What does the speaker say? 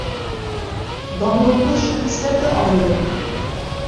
Данлыҡлы шәхестәрҙе алығыҙ.